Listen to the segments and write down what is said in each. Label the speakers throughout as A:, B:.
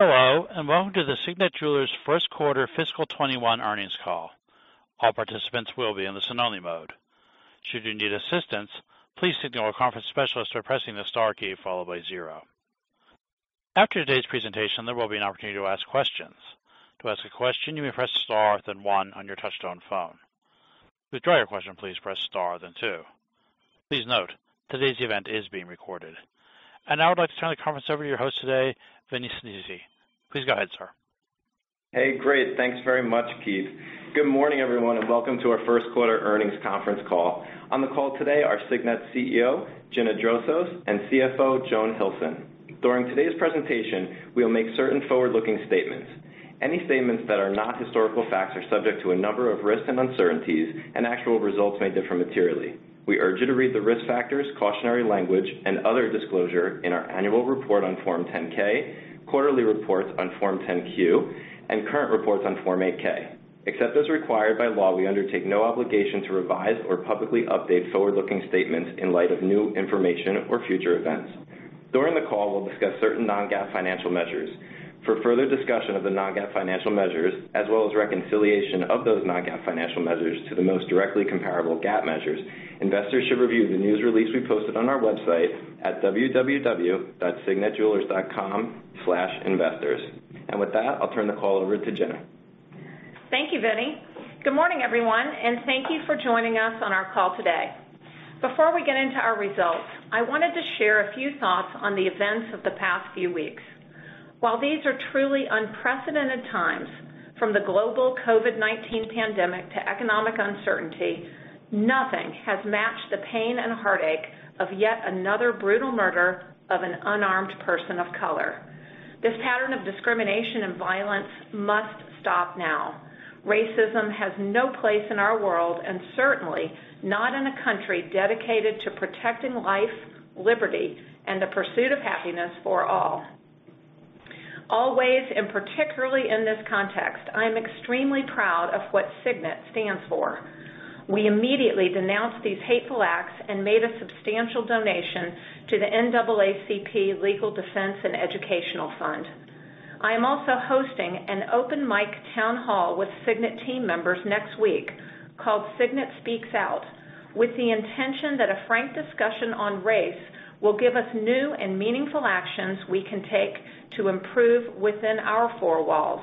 A: Welcome to the Signet Jewelers first quarter fiscal 2021 earnings call. All participants will be in the listen-only mode. Should you need assistance, please signal a conference specialist by pressing the star key followed by 0. After today's presentation, there will be an opportunity to ask questions. To ask a question, you may press star, then 1 on your touch-tone phone. To withdraw your question, please press star, then 2. Please note, today's event is being recorded. Now I'd like to turn the conference over to your host today, Vinnie Sinisi. Please go ahead, sir.
B: Hey, great. Thanks very much, Keith. Good morning, everyone, welcome to our first quarter earnings conference call. On the call today are Signet CEO, Gina Drosos, and CFO, Joan Hilson. During today's presentation, we'll make certain forward-looking statements. Any statements that are not historical facts are subject to a number of risks and uncertainties, actual results may differ materially. We urge you to read the risk factors, cautionary language, and other disclosure in our annual report on Form 10-K, quarterly reports on Form 10-Q, and current reports on Form 8-K. Except as required by law, we undertake no obligation to revise or publicly update forward-looking statements in light of new information or future events. During the call, we'll discuss certain non-GAAP financial measures. For further discussion of the non-GAAP financial measures, as well as reconciliation of those non-GAAP financial measures to the most directly comparable GAAP measures, investors should review the news release we posted on our website at www.signetjewelers.com/investors. With that, I'll turn the call over to Gina.
C: Thank you, Vinnie. Good morning, everyone, thank you for joining us on our call today. Before we get into our results, I wanted to share a few thoughts on the events of the past few weeks. While these are truly unprecedented times, from the global COVID-19 pandemic to economic uncertainty, nothing has matched the pain and heartache of yet another brutal murder of an unarmed person of color. This pattern of discrimination and violence must stop now. Racism has no place in our world, certainly not in a country dedicated to protecting life, liberty, and the pursuit of happiness for all. Always, and particularly in this context, I am extremely proud of what Signet stands for. We immediately denounced these hateful acts and made a substantial donation to the NAACP Legal Defense and Educational Fund. I am also hosting an open-mic town hall with Signet team members next week called Signet Speaks Out, with the intention that a frank discussion on race will give us new and meaningful actions we can take to improve within our four walls.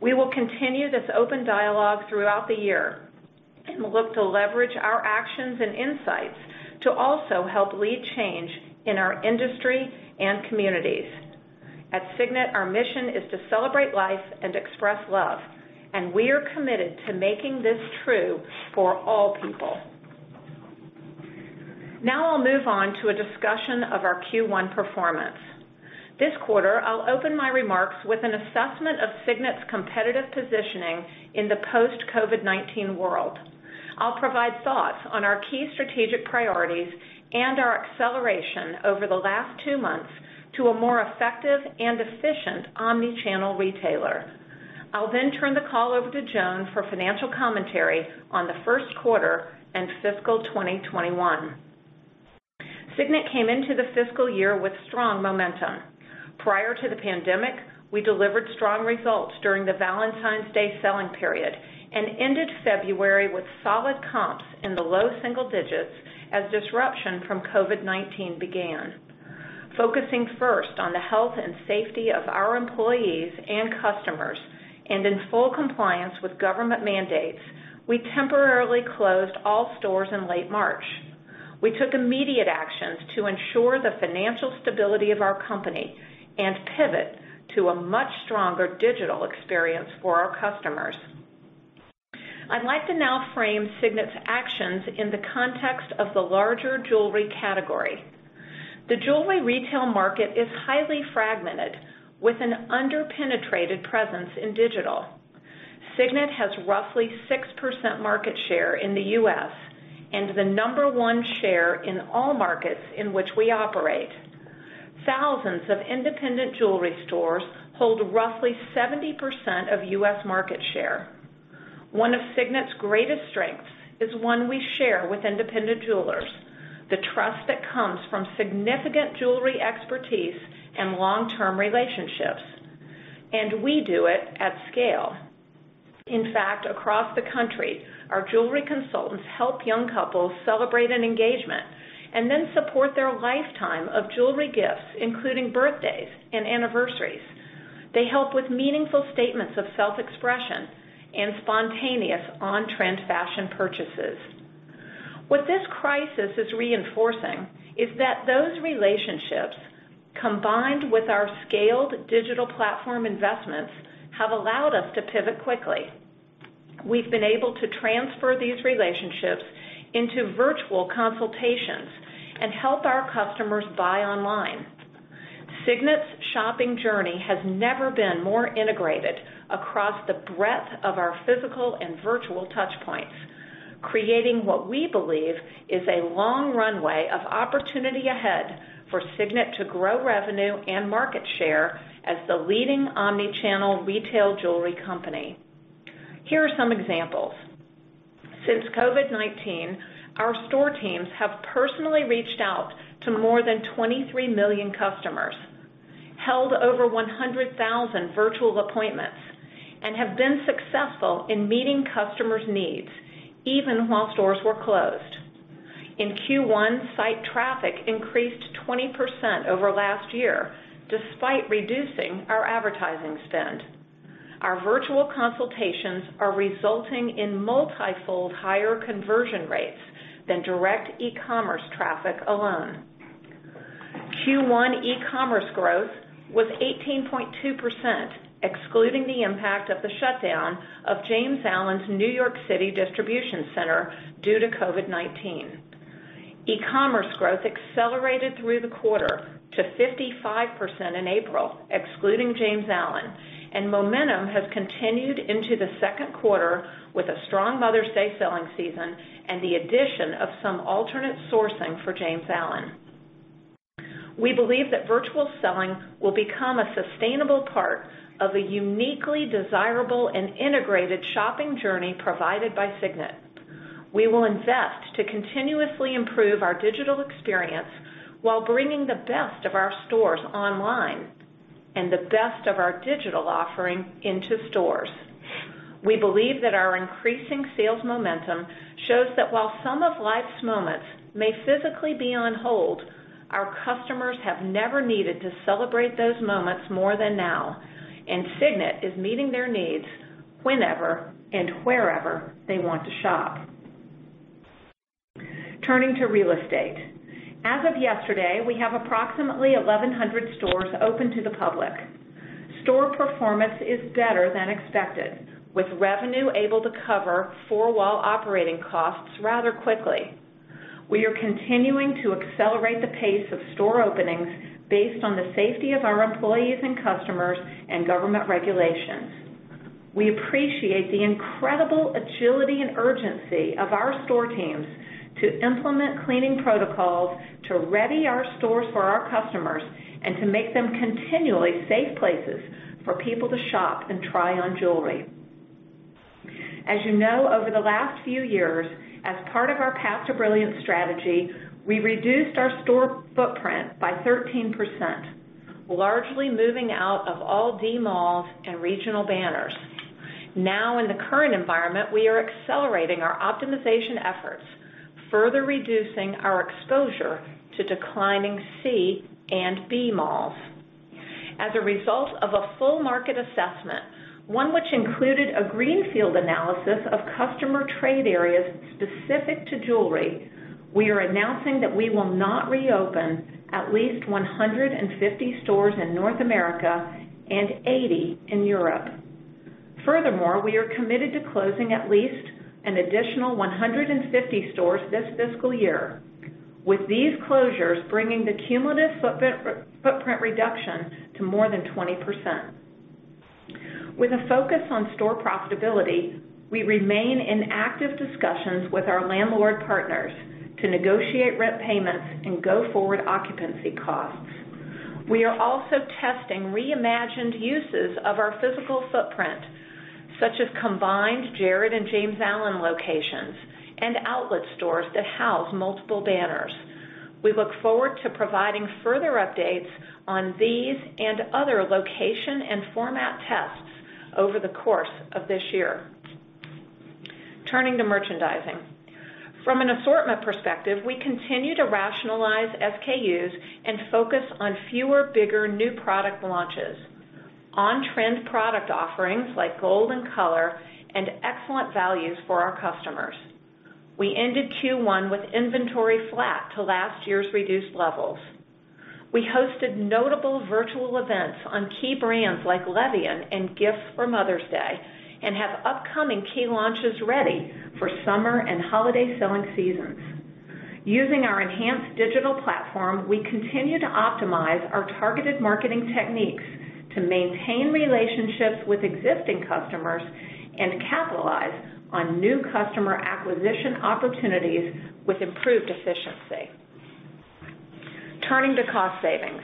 C: We will continue this open dialogue throughout the year and look to leverage our actions and insights to also help lead change in our industry and communities. At Signet, our mission is to celebrate life and express love, and we are committed to making this true for all people. Now I'll move on to a discussion of our Q1 performance. This quarter, I'll open my remarks with an assessment of Signet's competitive positioning in the post-COVID-19 world. I'll provide thoughts on our key strategic priorities and our acceleration over the last two months to a more effective and efficient omni-channel retailer. I'll turn the call over to Joan for financial commentary on the first quarter and fiscal 2021. Signet came into the fiscal year with strong momentum. Prior to the pandemic, we delivered strong results during the Valentine's Day selling period and ended February with solid comps in the low single digits as disruption from COVID-19 began. Focusing first on the health and safety of our employees and customers, and in full compliance with government mandates, we temporarily closed all stores in late March. We took immediate actions to ensure the financial stability of our company and pivot to a much stronger digital experience for our customers. I'd like to now frame Signet's actions in the context of the larger jewelry category. The jewelry retail market is highly fragmented with an under-penetrated presence in digital. Signet has roughly 6% market share in the U.S. and the number one share in all markets in which we operate. Thousands of independent jewelry stores hold roughly 70% of U.S. market share. One of Signet's greatest strengths is one we share with independent jewelers, the trust that comes from significant jewelry expertise and long-term relationships, and we do it at scale. In fact, across the country, our jewelry consultants help young couples celebrate an engagement and then support their lifetime of jewelry gifts, including birthdays and anniversaries. They help with meaningful statements of self-expression and spontaneous on-trend fashion purchases. What this crisis is reinforcing is that those relationships, combined with our scaled digital platform investments, have allowed us to pivot quickly. We've been able to transfer these relationships into virtual consultations and help our customers buy online. Signet's shopping journey has never been more integrated across the breadth of our physical and virtual touchpoints, creating what we believe is a long runway of opportunity ahead for Signet to grow revenue and market share as the leading omni-channel retail jewelry company. Here are some examples. Since COVID-19, our store teams have personally reached out to more than 23 million customers, held over 100,000 virtual appointments, and have been successful in meeting customers' needs even while stores were closed. In Q1, site traffic increased 20% over last year, despite reducing our advertising spend. Our virtual consultations are resulting in multi-fold higher conversion rates than direct e-commerce traffic alone. Q1 e-commerce growth was 18.2%, excluding the impact of the shutdown of James Allen's New York City distribution center due to COVID-19. E-commerce growth accelerated through the quarter to 55% in April, excluding James Allen, and momentum has continued into the second quarter with a strong Mother's Day selling season and the addition of some alternate sourcing for James Allen. We believe that virtual selling will become a sustainable part of a uniquely desirable and integrated shopping journey provided by Signet. We will invest to continuously improve our digital experience while bringing the best of our stores online and the best of our digital offering into stores. We believe that our increasing sales momentum shows that while some of life's moments may physically be on hold, our customers have never needed to celebrate those moments more than now, and Signet is meeting their needs whenever and wherever they want to shop. Turning to real estate. As of yesterday, we have approximately 1,100 stores open to the public. Store performance is better than expected, with revenue able to cover four-wall operating costs rather quickly. We are continuing to accelerate the pace of store openings based on the safety of our employees and customers and government regulations. We appreciate the incredible agility and urgency of our store teams to implement cleaning protocols, to ready our stores for our customers, and to make them continually safe places for people to shop and try on jewelry. As you know, over the last few years, as part of our Path to Brilliance strategy, we reduced our store footprint by 13%, largely moving out of all D malls and regional banners. In the current environment, we are accelerating our optimization efforts, further reducing our exposure to declining C and B malls. As a result of a full market assessment, one which included a greenfield analysis of customer trade areas specific to jewelry, we are announcing that we will not reopen at least 150 stores in North America and 80 in Europe. We are committed to closing at least an additional 150 stores this fiscal year, with these closures bringing the cumulative footprint reduction to more than 20%. With a focus on store profitability, we remain in active discussions with our landlord partners to negotiate rent payments and go forward occupancy costs. We are also testing re-imagined uses of our physical footprint, such as combined Jared and James Allen locations and outlet stores that house multiple banners. We look forward to providing further updates on these and other location and format tests over the course of this year. Turning to merchandising. From an assortment perspective, we continue to rationalize SKUs and focus on fewer, bigger new product launches, on-trend product offerings like gold and color, and excellent values for our customers. We ended Q1 with inventory flat to last year's reduced levels. We hosted notable virtual events on key brands like Le Vian and gifts for Mother's Day and have upcoming key launches ready for summer and holiday selling seasons. Using our enhanced digital platform, we continue to optimize our targeted marketing techniques to maintain relationships with existing customers and capitalize on new customer acquisition opportunities with improved efficiency. Turning to cost savings.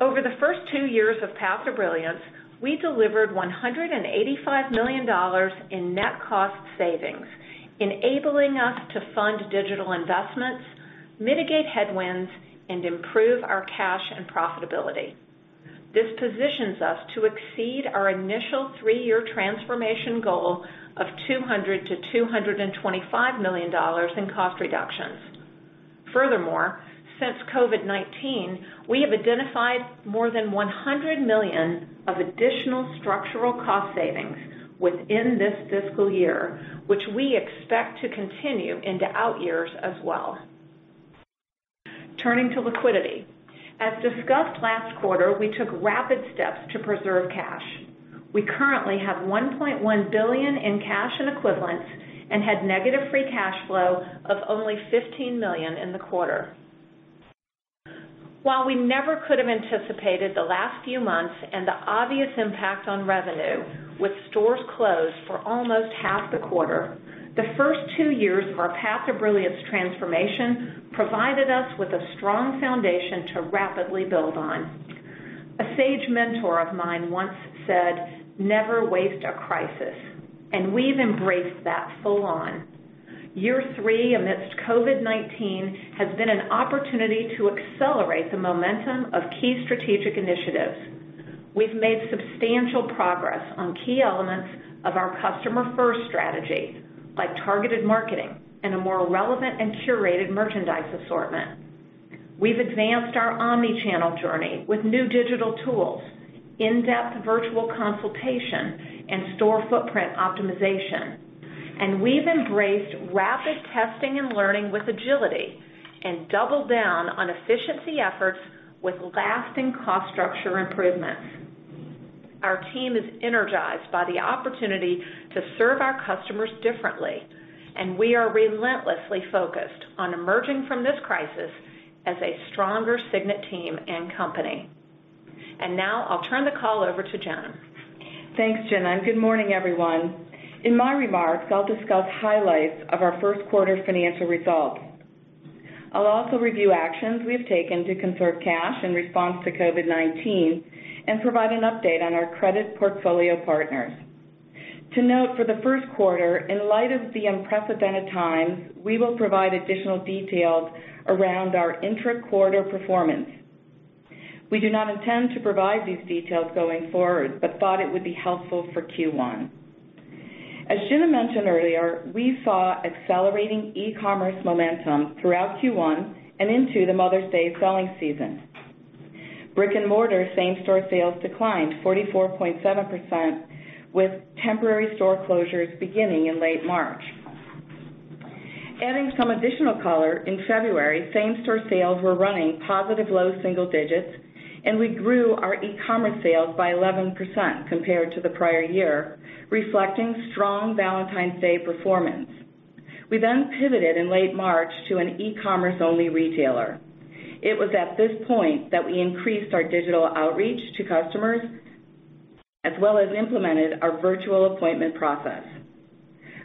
C: Over the first two years of Path to Brilliance, we delivered $185 million in net cost savings, enabling us to fund digital investments, mitigate headwinds, and improve our cash and profitability. This positions us to exceed our initial three-year transformation goal of $200 million-$225 million in cost reductions. Furthermore, since COVID-19, we have identified more than $100 million of additional structural cost savings within this fiscal year, which we expect to continue into outyears as well. Turning to liquidity. As discussed last quarter, we took rapid steps to preserve cash. We currently have $1.1 billion in cash and equivalents and had negative free cash flow of only $15 million in the quarter. While we never could have anticipated the last few months and the obvious impact on revenue with stores closed for almost half the quarter, the first two years of our Path to Brilliance transformation provided us with a strong foundation to rapidly build on. A sage mentor of mine once said, "Never waste a crisis," and we've embraced that full on. Year three amidst COVID-19 has been an opportunity to accelerate the momentum of key strategic initiatives. We've made substantial progress on key elements of our customer-first strategy, like targeted marketing and a more relevant and curated merchandise assortment. We've advanced our omni-channel journey with new digital tools, in-depth virtual consultation, and store footprint optimization. We've embraced rapid testing and learning with agility and doubled down on efficiency efforts with lasting cost structure improvements. Our team is energized by the opportunity to serve our customers differently, and we are relentlessly focused on emerging from this crisis as a stronger Signet team and company. Now I'll turn the call over to Joan.
D: Thanks, Gina. Good morning, everyone. In my remarks, I'll discuss highlights of our first quarter financial results. I'll also review actions we have taken to conserve cash in response to COVID-19 and provide an update on our credit portfolio partners. To note, for the first quarter, in light of the unprecedented times, we will provide additional details around our intra-quarter performance. We do not intend to provide these details going forward, but thought it would be helpful for Q1. As Gina mentioned earlier, we saw accelerating e-commerce momentum throughout Q1 and into the Mother's Day selling season. Brick-and-mortar same-store sales declined 44.7% with temporary store closures beginning in late March. Adding some additional color, in February, same-store sales were running positive low single digits, and we grew our e-commerce sales by 11% compared to the prior year, reflecting strong Valentine's Day performance. We pivoted in late March to an e-commerce-only retailer. It was at this point that we increased our digital outreach to customers, as well as implemented our virtual appointment process.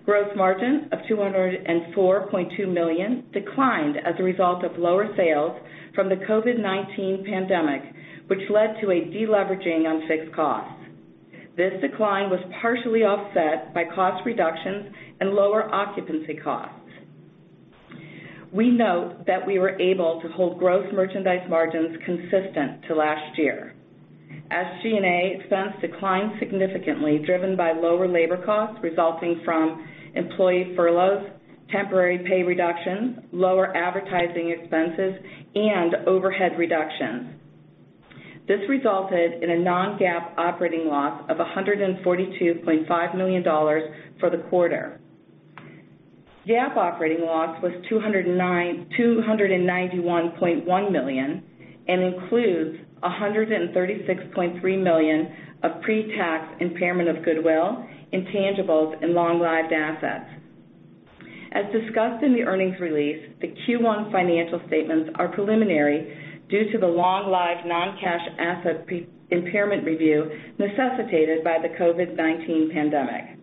D: Gross margin of $204.2 million declined as a result of lower sales from the COVID-19 pandemic, which led to a de-leveraging on fixed costs. This decline was partially offset by cost reductions and lower occupancy costs. We note that we were able to hold gross merchandise margins consistent to last year. SG&A expense declined significantly, driven by lower labor costs resulting from employee furloughs, temporary pay reductions, lower advertising expenses, and overhead reductions. This resulted in a non-GAAP operating loss of $142.5 million for the quarter. GAAP operating loss was $291.1 million and includes $136.3 million of pre-tax impairment of goodwill, intangibles, and long-lived assets. As discussed in the earnings release, the Q1 financial statements are preliminary due to the long-lived, non-cash asset impairment review necessitated by the COVID-19 pandemic.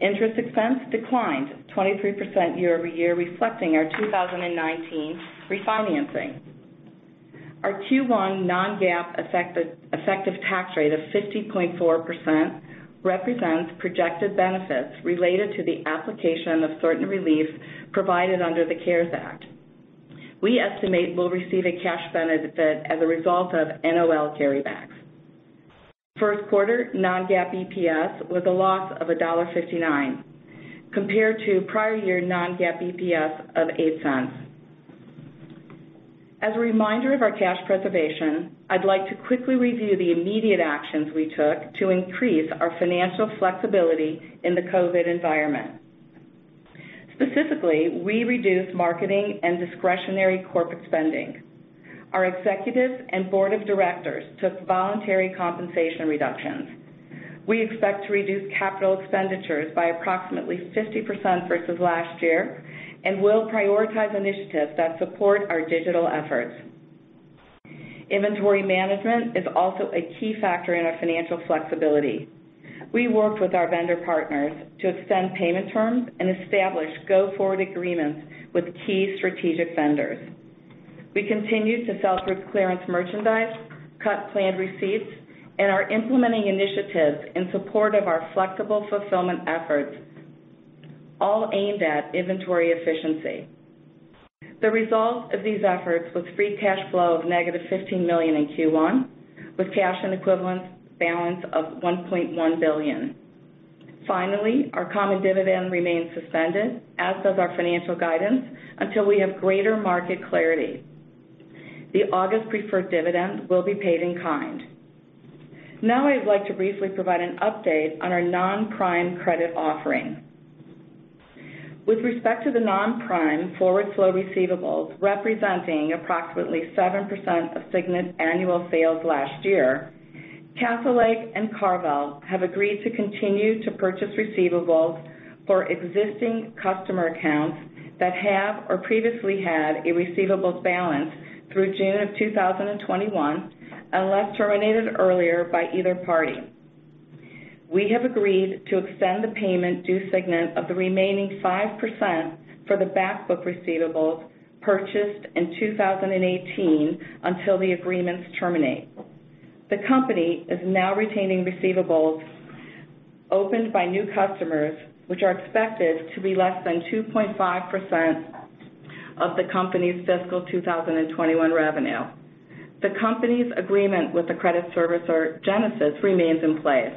D: Interest expense declined 23% year-over-year, reflecting our 2019 refinancing. Our Q1 non-GAAP effective tax rate of 50.4% represents projected benefits related to the application of certain relief provided under the CARES Act. We estimate we'll receive a cash benefit as a result of NOL carrybacks. First quarter non-GAAP EPS was a loss of $1.59 compared to prior year non-GAAP EPS of $0.08. As a reminder of our cash preservation, I'd like to quickly review the immediate actions we took to increase our financial flexibility in the COVID environment. Specifically, we reduced marketing and discretionary corporate spending. Our executives and board of directors took voluntary compensation reductions. We expect to reduce capital expenditures by approximately 50% versus last year and will prioritize initiatives that support our digital efforts. Inventory management is also a key factor in our financial flexibility. We worked with our vendor partners to extend payment terms and establish go-forward agreements with key strategic vendors. We continue to sell through clearance merchandise, cut planned receipts, and are implementing initiatives in support of our flexible fulfillment efforts, all aimed at inventory efficiency. The result of these efforts was free cash flow of negative $15 million in Q1, with cash and equivalents balance of $1.1 billion. Finally, our common dividend remains suspended, as does our financial guidance, until we have greater market clarity. The August preferred dividend will be paid in kind. Now, I'd like to briefly provide an update on our non-prime credit offering. With respect to the non-prime forward flow receivables, representing approximately 7% of Signet's annual sales last year, Castlelake and CarVal have agreed to continue to purchase receivables for existing customer accounts that have or previously had a receivables balance through June of 2021, unless terminated earlier by either party. We have agreed to extend the payment due Signet of the remaining 5% for the back book receivables purchased in 2018 until the agreements terminate. The company is now retaining receivables opened by new customers, which are expected to be less than 2.5% of the company's fiscal 2021 revenue. The company's agreement with the credit servicer, Genesis, remains in place.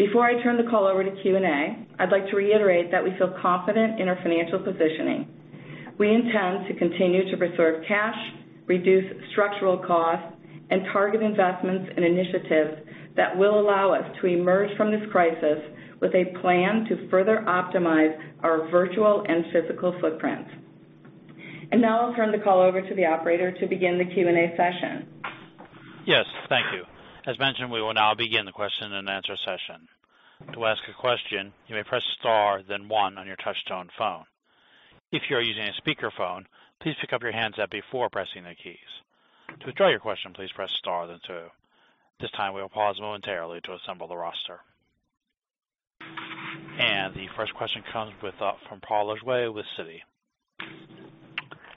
D: Before I turn the call over to Q&A, I'd like to reiterate that we feel confident in our financial positioning. We intend to continue to preserve cash, reduce structural costs, and target investments and initiatives that will allow us to emerge from this crisis with a plan to further optimize our virtual and physical footprint. I'll turn the call over to the operator to begin the Q&A session.
A: Yes. Thank you. As mentioned, we will now begin the question and answer session. To ask a question, you may press star then one on your touchtone phone. If you are using a speakerphone, please pick up your handset before pressing the keys. To withdraw your question, please press star then two. At this time, we will pause momentarily to assemble the roster. The first question comes from Paul Lejuez with Citi.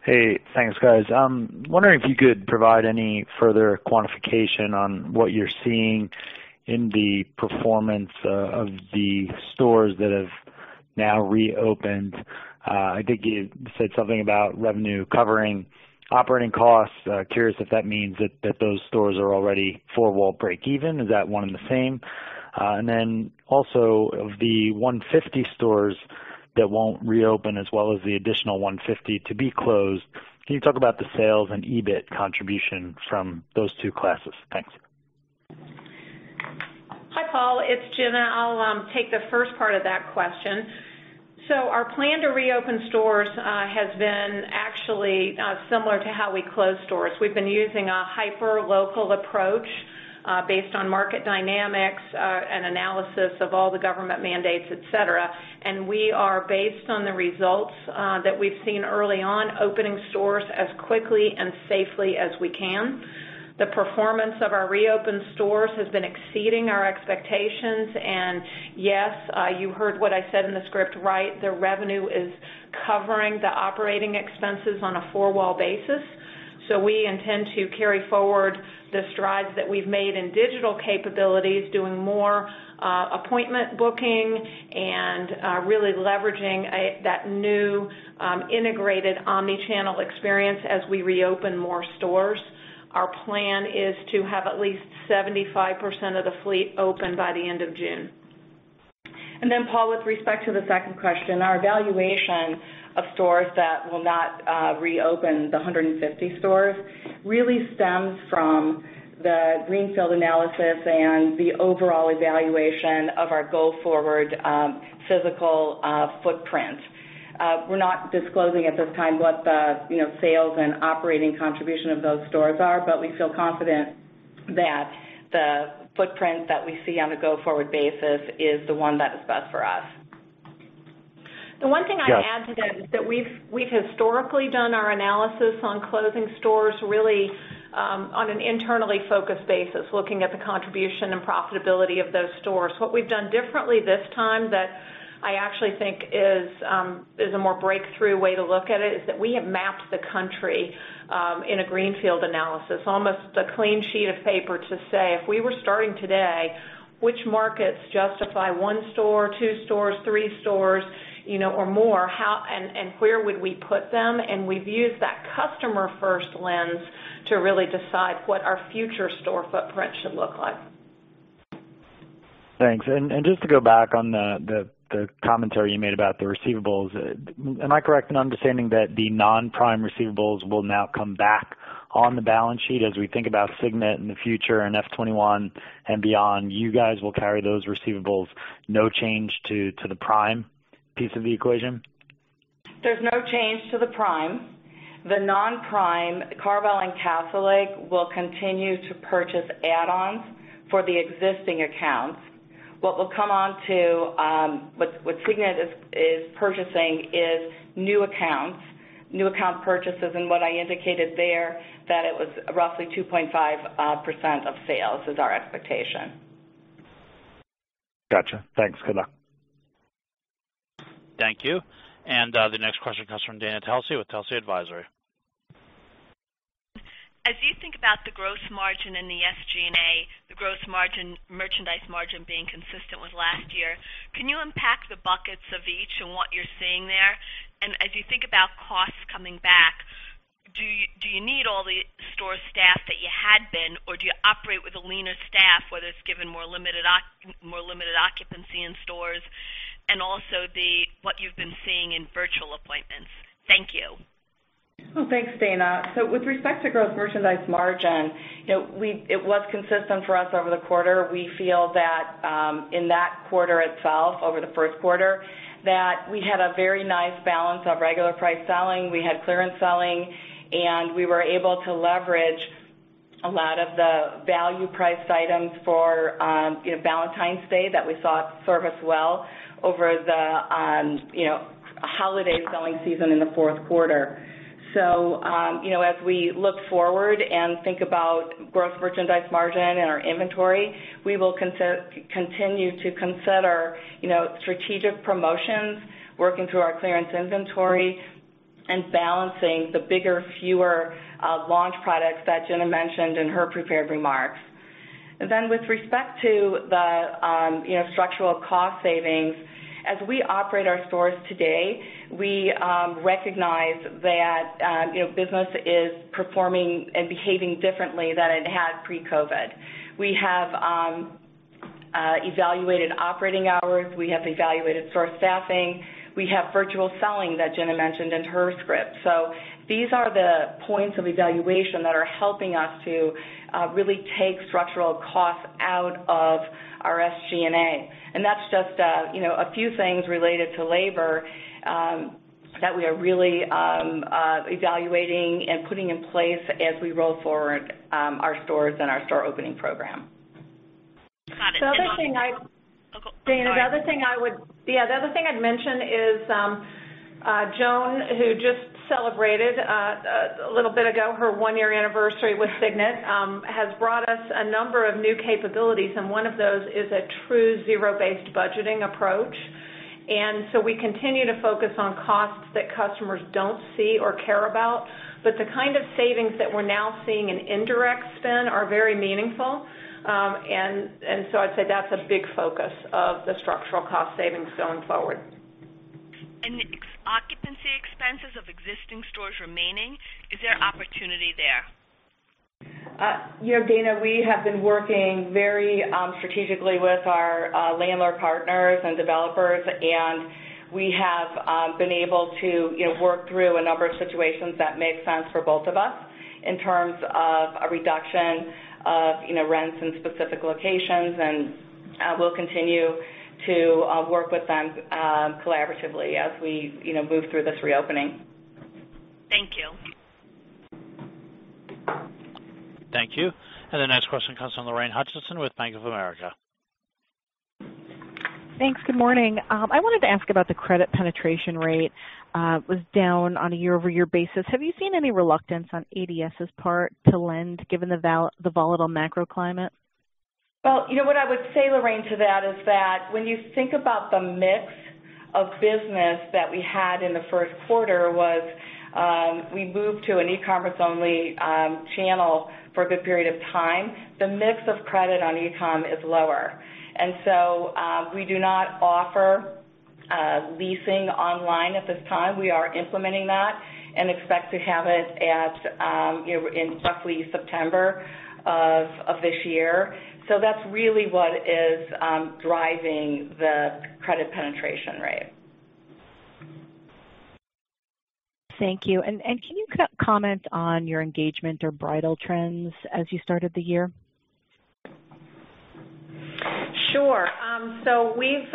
E: Hey, thanks, guys. I'm wondering if you could provide any further quantification on what you're seeing in the performance of the stores that have now reopened. I think you said something about revenue covering operating costs. Curious if that means that those stores are already four-wall breakeven. Is that one and the same? Then also, of the 150 stores that won't reopen as well as the additional 150 to be closed, can you talk about the sales and EBIT contribution from those two classes? Thanks.
C: Hi, Paul. It's Gina. I'll take the first part of that question. Our plan to reopen stores has been actually similar to how we close stores. We've been using a hyper-local approach based on market dynamics, and analysis of all the government mandates, et cetera. We are, based on the results that we've seen early on, opening stores as quickly and safely as we can. The performance of our reopened stores has been exceeding our expectations. Yes, you heard what I said in the script right. The revenue is covering the operating expenses on a four-wall basis. We intend to carry forward the strides that we've made in digital capabilities, doing more appointment booking and really leveraging that new integrated omni-channel experience as we reopen more stores. Our plan is to have at least 75% of the fleet open by the end of June.
D: Then Paul, with respect to the second question, our evaluation of stores that will not reopen, the 150 stores, really stems from the greenfield analysis and the overall evaluation of our go forward physical footprint. We're not disclosing at this time what the sales and operating contribution of those stores are, but we feel confident that the footprint that we see on a go-forward basis is the one that is best for us.
C: The one thing I'd add to that is that we've historically done our analysis on closing stores really on an internally focused basis, looking at the contribution and profitability of those stores. What we've done differently this time that I actually think is a more breakthrough way to look at it, is that we have mapped the country in a greenfield analysis, almost a clean sheet of paper to say, "If we were starting today, which markets justify one store, two stores, three stores or more, and where would we put them?" We've used that customer first lens to really decide what our future store footprint should look like.
E: Thanks. Just to go back on the commentary you made about the receivables. Am I correct in understanding that the non-prime receivables will now come back on the balance sheet as we think about Signet in the future and FY 2021 and beyond, you guys will carry those receivables, no change to the prime piece of the equation?
D: There's no change to the prime. The non-prime, CarVal and Castlelake, will continue to purchase add-ons for the existing accounts. What Signet is purchasing is new accounts, new account purchases, and what I indicated there, that it was roughly 2.5% of sales is our expectation.
E: Got you. Thanks. Good luck.
A: Thank you. The next question comes from Dana Telsey with Telsey Advisory.
F: As you think about the gross margin and the SG&A, the gross margin, merchandise margin being consistent with last year, can you unpack the buckets of each and what you're seeing there? As you think about costs coming back, do you need all the store staff that you had been, or do you operate with a leaner staff, whether it's given more limited occupancy in stores? Also what you've been seeing in virtual appointments. Thank you.
D: Well, thanks, Dana. With respect to gross merchandise margin, it was consistent for us over the quarter. We feel that in that quarter itself, over the first quarter, that we had a very nice balance of regular priced selling. We had clearance selling, and we were able to leverage a lot of the value priced items for Valentine's Day that we saw serve us well over a holiday selling season in the fourth quarter. As we look forward and think about growth merchandise margin and our inventory, we will continue to consider strategic promotions, working through our clearance inventory, and balancing the bigger, fewer launch products that Gina mentioned in her prepared remarks. With respect to the structural cost savings, as we operate our stores today, we recognize that business is performing and behaving differently than it had pre-COVID. We have evaluated operating hours. We have evaluated store staffing. We have virtual selling that Gina mentioned in her script. These are the points of evaluation that are helping us to really take structural costs out of our SG&A. That's just a few things related to labor that we are really evaluating and putting in place as we roll forward our stores and our store opening program.
C: The other thing.
F: I'll go Oh, go ahead.
C: Dana, the other thing I'd mention is, Joan, who just celebrated a little bit ago, her one-year anniversary with Signet, has brought us a number of new capabilities, and one of those is a true zero-based budgeting approach. We continue to focus on costs that customers don't see or care about, but the kind of savings that we're now seeing in indirect spend are very meaningful. I'd say that's a big focus of the structural cost savings going forward.
F: Occupancy expenses of existing stores remaining, is there opportunity there?
D: Dana, we have been working very strategically with our landlord partners and developers, and we have been able to work through a number of situations that make sense for both of us in terms of a reduction of rents in specific locations, and we'll continue to work with them collaboratively as we move through this reopening.
F: Thank you.
A: Thank you. The next question comes from Lorraine Hutchinson with Bank of America.
G: Thanks. Good morning. I wanted to ask about the credit penetration rate. It was down on a year-over-year basis. Have you seen any reluctance on ADS's part to lend, given the volatile macro climate?
D: Well, what I would say, Lorraine, to that is that when you think about the mix of business that we had in the first quarter was, we moved to an e-commerce only channel for a good period of time. The mix of credit on e-com is lower, we do not offer leasing online at this time. We are implementing that and expect to have it in roughly September of this year. That's really what is driving the credit penetration rate.
G: Thank you. Can you comment on your engagement or bridal trends as you started the year?
C: Sure. We've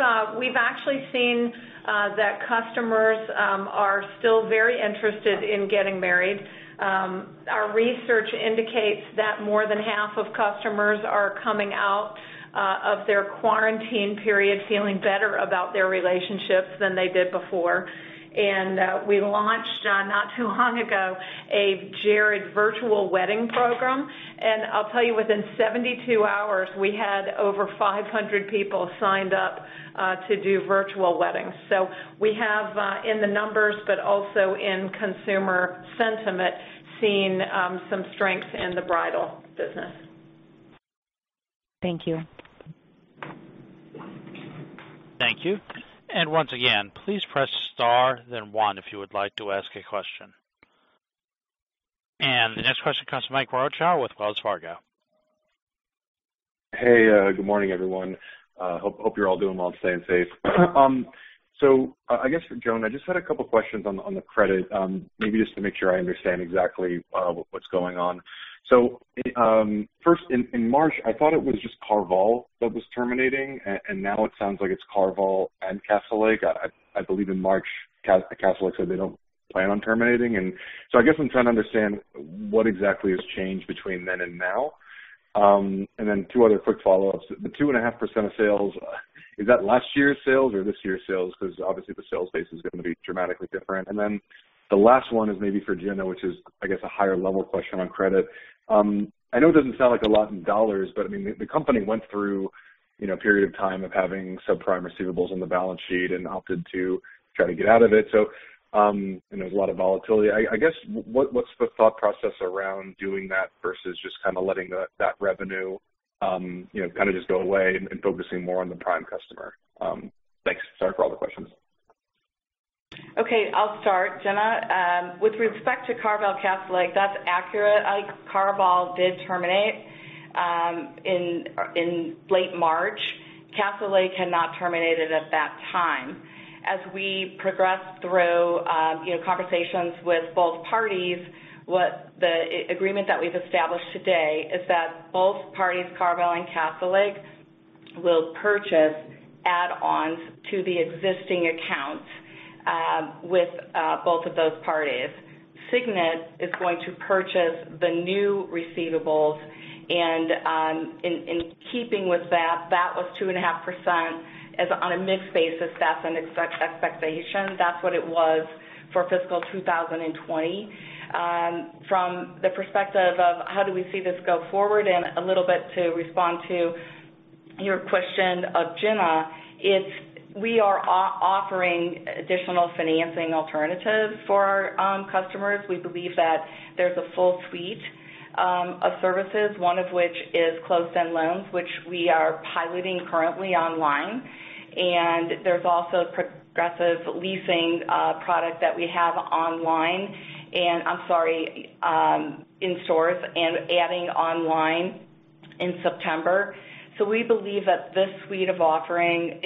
C: actually seen that customers are still very interested in getting married. Our research indicates that more than half of customers are coming out of their quarantine period feeling better about their relationships than they did before. We launched, not too long ago, a Jared virtual wedding program, and I'll tell you, within 72 hours, we had over 500 people signed up to do virtual weddings. We have, in the numbers, but also in consumer sentiment, seen some strength in the bridal business.
G: Thank you.
A: Thank you. Once again, please press star then one if you would like to ask a question. The next question comes from Ike Boruchow with Wells Fargo.
H: Hey, good morning, everyone. Hope you're all doing well and staying safe. I guess, Joan, I just had a couple questions on the credit, maybe just to make sure I understand exactly what's going on. First in March, I thought it was just CarVal that was terminating, and now it sounds like it's CarVal and Castlelake. I believe in March, Castlelake said they don't plan on terminating. I guess I'm trying to understand what exactly has changed between then and now. Then two other quick follow-ups. The 2.5% of sales, is that last year's sales or this year's sales? Because obviously the sales base is going to be dramatically different. Then the last one is maybe for Gina, which is, I guess, a higher-level question on credit. I know it doesn't sound like a lot in dollars, but the company went through a period of time of having subprime receivables on the balance sheet and opted to try to get out of it. There's a lot of volatility. I guess, what's the thought process around doing that versus just letting that revenue just go away and focusing more on the prime customer? Thanks. Sorry for all the questions.
D: Okay, I'll start. Gina. With respect to CarVal, Castlelake, that's accurate. CarVal did terminate in late March. Castlelake had not terminated at that time. As we progressed through conversations with both parties, what the agreement that we've established today is that both parties, CarVal and Castlelake, will purchase add-ons to the existing accounts with both of those parties. Signet is going to purchase the new receivables. In keeping with that was 2.5% on a mid basis. That's an expectation. That's what it was for fiscal 2020. From the perspective of how do we see this go forward, and a little bit to respond to your question of Gina, it's we are offering additional financing alternatives for our customers. We believe that there's a full suite of services, one of which is closed-end loans, which we are piloting currently online. There's also Progressive Leasing product that we have online, I'm sorry, in stores, and adding online in September. We believe that this suite of offering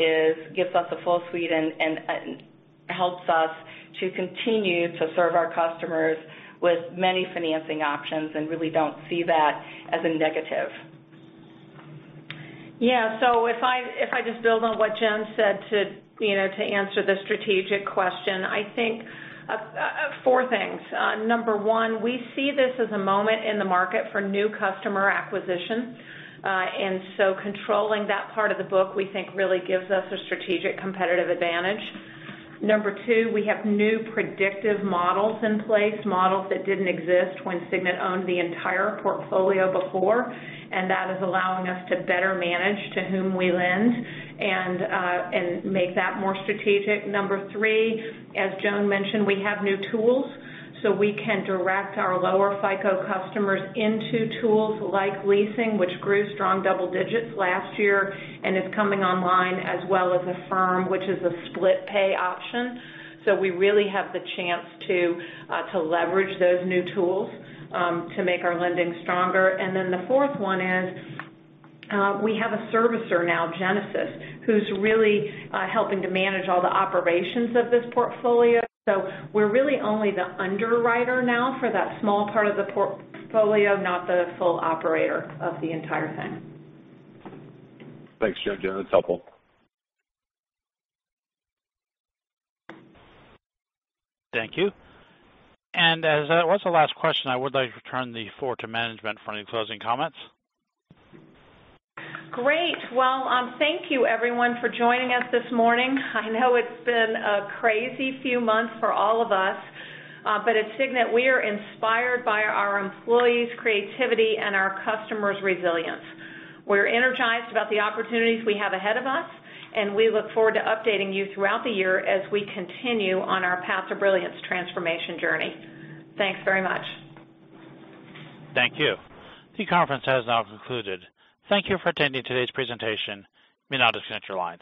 D: gives us a full suite and helps us to continue to serve our customers with many financing options and really don't see that as a negative.
C: Yeah. If I just build on what Joan said to answer the strategic question, I think four things. Number 1, we see this as a moment in the market for new customer acquisition. Controlling that part of the book, we think, really gives us a strategic competitive advantage. Number 2, we have new predictive models in place, models that didn't exist when Signet owned the entire portfolio before, and that is allowing us to better manage to whom we lend and make that more strategic. Number 3, as Joan mentioned, we have new tools, so we can direct our lower FICO customers into tools like leasing, which grew strong double digits last year and is coming online as well as Affirm, which is a split pay option. We really have the chance to leverage those new tools to make our lending stronger. Then the fourth one is we have a servicer now, Genesis, who's really helping to manage all the operations of this portfolio. We're really only the underwriter now for that small part of the portfolio, not the full operator of the entire thing.
H: Thanks, Joan. That's helpful.
A: Thank you. As that was the last question, I would like to turn the floor to management for any closing comments.
C: Great. Well, thank you everyone for joining us this morning. I know it's been a crazy few months for all of us. At Signet, we are inspired by our employees' creativity and our customers' resilience. We're energized about the opportunities we have ahead of us, and we look forward to updating you throughout the year as we continue on our Path to Brilliance transformation journey. Thanks very much.
A: Thank you. The conference has now concluded. Thank you for attending today's presentation. You may now disconnect your lines.